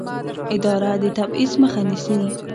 اداره د تبعیض مخه نیسي.